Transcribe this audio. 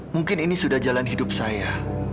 mungkin ini sudah jalan hidup saya